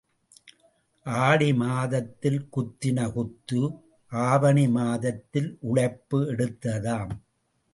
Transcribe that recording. ஆடி மாதத்தில் குத்தின குத்து ஆவணி மாதத்தில் உளைப்பு எடுத்ததாம்.